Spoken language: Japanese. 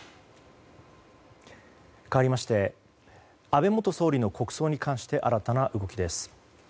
かわりまして安倍元総理の国葬に関して新たな動きです。